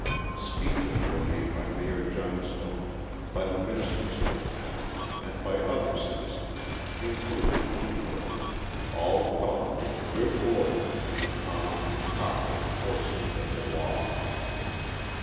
Speeches were made by Mayor Johnstone, by the ministers of the town, and by other citizens, including a Negro, all calling for good order and the calm and proper enforcement of the law.